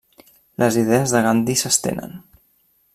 Les idees de Gandhi s'estenen.